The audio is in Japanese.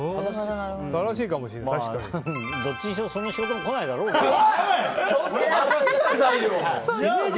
どっちにしろその仕事も来ないだろうけど。